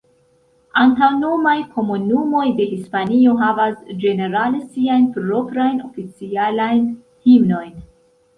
Aŭtonomaj komunumoj de Hispanio havas ĝenerale siajn proprajn oficialajn himnojn.